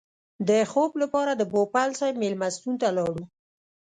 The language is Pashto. د خوب لپاره د پوپل صاحب مېلمستون ته لاړو.